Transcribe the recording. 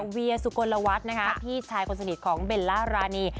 เวียสุโกนละวัดพี่ชายคนสนิทของเบลล่ารานี